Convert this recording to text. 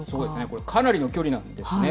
これかなりの距離なんですね。